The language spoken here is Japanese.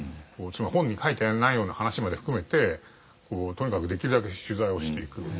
本に書いてないような話まで含めてとにかくできるだけ取材をしていく。